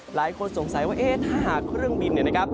หลายคนสงสัยว่าเอ๊ะถ้าหากเครื่องบินเนี่ยนะครับ